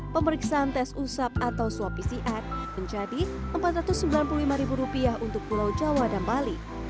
pemeriksaan tes usap atau swab pcr menjadi rp empat ratus sembilan puluh lima untuk pulau jawa dan bali